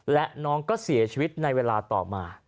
และน้องก็เสียชีวิตในเวลาต่อมา